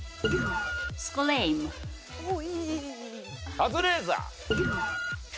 カズレーザー。